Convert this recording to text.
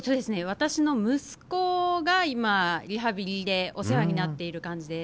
私の息子が今リハビリでお世話になっている感じです。